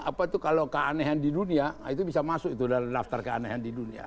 apa itu kalau keanehan di dunia itu bisa masuk itu dalam daftar keanehan di dunia